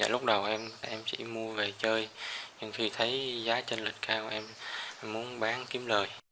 lúc đầu em chỉ mua về chơi nhưng khi thấy giá trên lịch cao em muốn bán kiếm lời